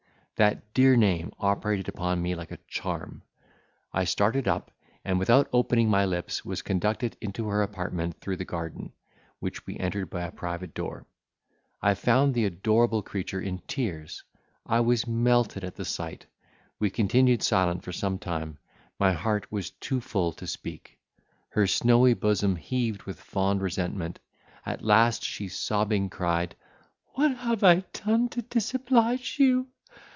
That dear name operated upon me like a charm! I started up, and, without opening my lips, was conducted into her apartment through the garden, which we entered by a private door. I found the adorable creature in tears; I was melted at the sight—we continued silent for some time—my heart was too full to speak—her snowy bosom heaved with fond resentment; at last she sobbing cried, "What have I done to disoblige you?"